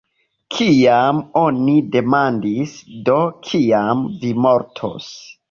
Kiam oni demandis, "Do, kiam vi mortos?